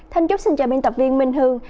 thân chúc xin chào biên tập viên minh hương